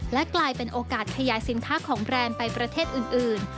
และกลายเป็นโอกาสขยายสินค้าของแบรนด์ไปประเทศอื่น